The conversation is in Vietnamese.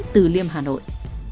từ liêm hà nội